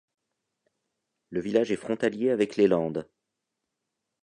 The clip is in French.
Le village est frontalier avec les Landes.